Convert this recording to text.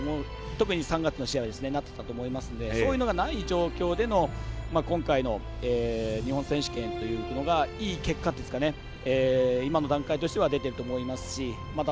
特に３月の試合ではなっていたと思いますのでそういうのがない状況での今回の日本選手権というものがいい結果、今の段階としては出ていると思いますしまた